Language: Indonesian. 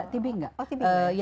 tb mungkin ya